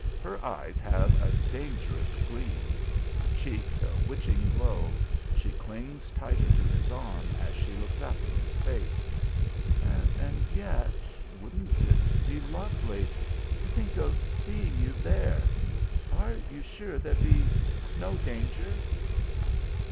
Her eyes have a dangerous gleam, her cheeks a witching glow; she clings tighter to his arm as she looks up in his face. "And yet wouldn't it be lovely? To think of seeing you there! are you sure there'd be no danger?"